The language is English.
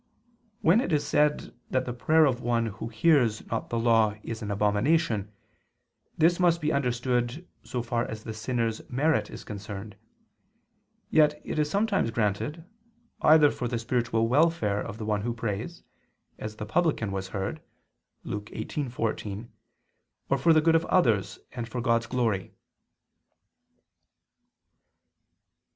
When it is said that the prayer of one who hears not the law is an abomination, this must be understood so far as the sinner's merit is concerned; yet it is sometimes granted, either for the spiritual welfare of the one who prays as the publican was heard (Luke 18:14) or for the good of others and for God's glory.